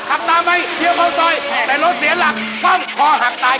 ขับตามไปเดี่ยวเข้าสอย